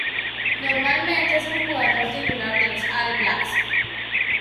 Normalmente es un jugador titular de los All Blacks.